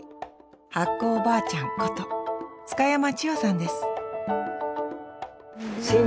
発酵おばあちゃんこと津嘉山千代さんです